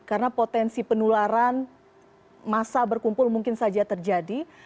karena potensi penularan masa berkumpul mungkin saja terjadi